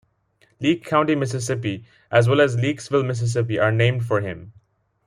Leake County, Mississippi, as well as Leakesville, Mississippi are named for him.